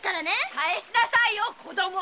返しなさいよ子供を！